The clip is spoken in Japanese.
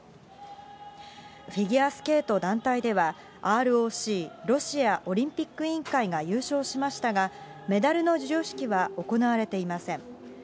フィギュアスケート団体では、ＲＯＣ・ロシアオリンピック委員会が優勝しましたが、メダルの授与式は行われていません。